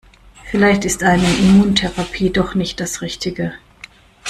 Vielleicht ist eine Immuntherapie doch nicht das Richtige.